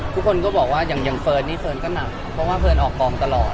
ทุกคนก็บอกว่าอย่างเฟิร์นนี่เฟิร์นก็หนักเพราะว่าเฟิร์นออกกองตลอด